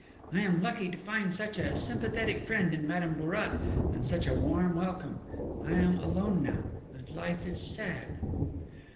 I am lucky to find such a sympathetic friend in Madame Bourrat, and such a warm welcome.... I am alone now, and life is sad."